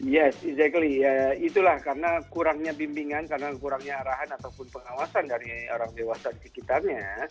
yes ezecally itulah karena kurangnya bimbingan karena kurangnya arahan ataupun pengawasan dari orang dewasa di sekitarnya